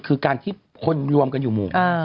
คือการที่คนรวมกันอยู่หมู่